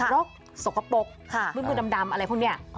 นกสกปรกมือดำอะไรพวกนี้